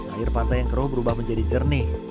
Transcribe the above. air pantai yang keruh berubah menjadi jernih